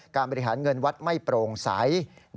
บริหารเงินวัดไม่โปร่งใส